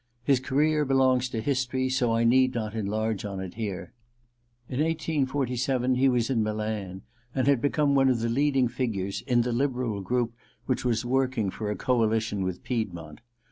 His career belongs to history, so I need not enlarge on it here. In 1 847 he was in Milan, and had become one of the leading figures in the liberal group which was working for a coalition with Piedmont.